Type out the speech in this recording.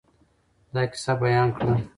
دا قصه بیان کړه.